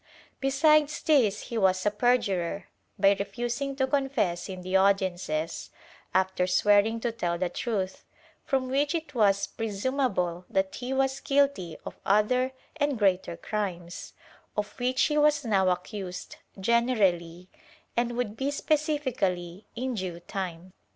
Besides this he was a perjurer, by refusing to confess in the audiences, after swearing to tell the truth, from which it was presumable that he was guilty of other and greater crimes, of which he was now accused generally and would be specifically in due time.